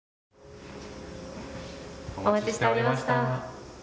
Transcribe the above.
お待ちしておりました。